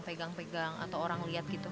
pegang pegang atau orang lihat gitu